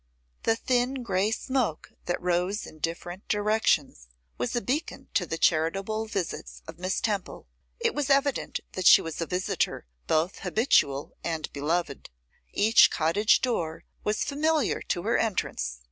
The thin grey smoke that rose in different directions was a beacon to the charitable visits of Miss Temple. It was evident that she was a visitor both habitual and beloved. Each cottage door was familiar to her entrance.